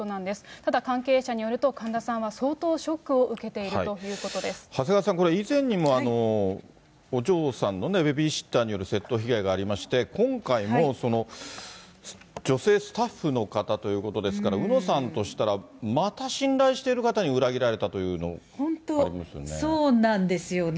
ただ関係者によると、神田さんは相当ショックを受けているという長谷川さん、これ、以前にも、お嬢さんのベビーシッターによる窃盗被害がありまして、今回も女性スタッフの方ということですから、うのさんとしたら、また信頼している方に裏切られたというのがありますよね。